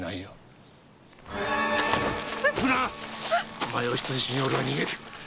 お前を人質に俺は逃げる。